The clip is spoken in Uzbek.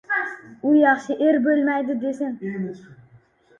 U yaxshi er bo‘lmaydi desin...